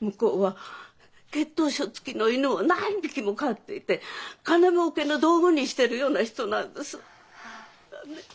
向こうは血統書付きの犬を何匹も飼っていて金儲けの道具にしてるような人なんです。はあ。